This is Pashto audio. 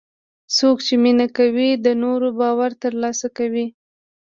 څوک چې مینه کوي، د نورو باور ترلاسه کوي.